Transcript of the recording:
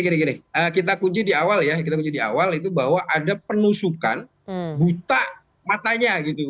gini gini kita kunci di awal ya kita kunci di awal itu bahwa ada penusukan buta matanya gitu